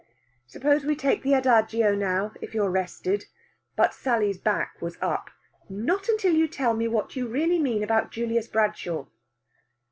"Suppose we take the adagio now if you're rested." But Sally's back was up. "Not until you tell me what you really mean about Julius Bradshaw."